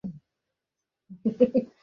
বিভা কাঁদিয়া কহিল, না দাদামহাশয়, কেহই নাই।